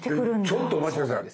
ちょっとお待ち下さい。